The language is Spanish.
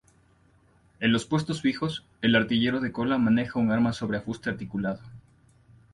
En los puestos fijos, el artillero de cola maneja un arma sobre afuste articulado.